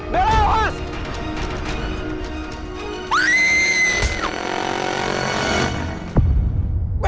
do aku tidak mau losong